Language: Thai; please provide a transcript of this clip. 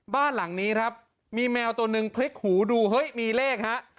บ้านหลังนี้ครับมีแมวตัวหนึ่งพลิกหูดูเฮ้ยมีเลขฮะ